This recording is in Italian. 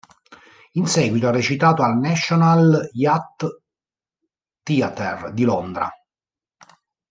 In seguito ha recitato al National Youth Theatre di Londra.